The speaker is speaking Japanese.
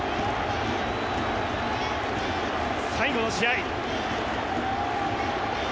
最後の試合。